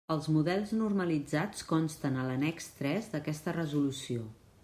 Els models normalitzats consten a l'annex tres d'aquesta Resolució.